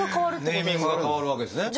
ネーミングが変わるわけですね。